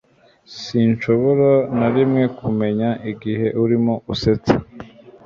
Sinshobora na rimwe kumenya igihe urimo usetsa